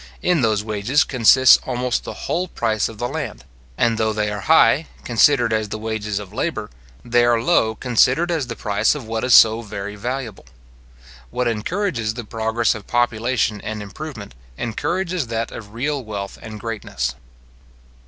In those wages consists almost the whole price of the land; and though they are high, considered as the wages of labour, they are low, considered as the price of what is so very valuable. What encourages the progress of population and improvement, encourages that of real wealth and greatness.